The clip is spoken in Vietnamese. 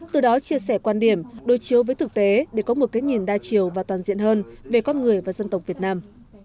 từ đó chia sẻ quan điểm đối chiếu với thực tế để có một cái nhìn đa chiều và toàn diện hơn về con người và dân tộc việt nam